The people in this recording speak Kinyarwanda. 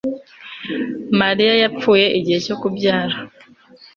Mariya yapfuye igihe cyo kubyara